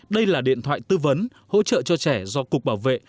đây là điện thoại tư vấn hỗ trợ cho trẻ do cục bảo vệ